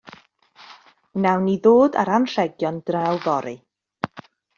Wnawn ni ddod â'r anrhegion draw fory.